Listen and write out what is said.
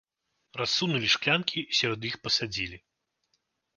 Рассунулі шклянкі і сярод іх пасадзілі.